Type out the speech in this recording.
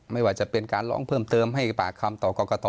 ไม่ว่าจะเป็นการร้องเพิ่มเติมให้ปากคำต่อกรกต